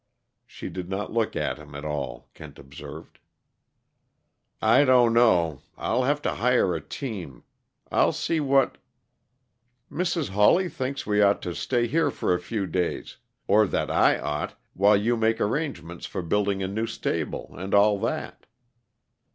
She did not look at him at all, Kent observed. "I don't know I'll have to hire a team I'll see what " "Mrs. Hawley thinks we ought to stay here for a few days or that I ought while you make arrangements for building a new stable, and all that."